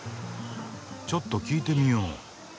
ちょっと聞いてみよう。